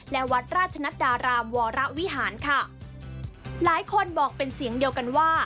และวัดราชนัดดารามวรวิหารค่ะหลายคนบอกเป็นเสียงเดียวกันว่า